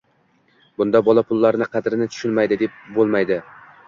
Bunda bola pullarni qadrini tushunmaydi, deb bo‘lmaydi.